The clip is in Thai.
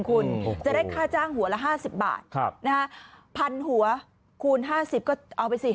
คุณจะได้ค่าจ้างหัวละ๕๐บาทพันหัวคูณ๕๐ก็เอาไปสิ